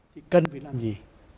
thì cần phải làm gì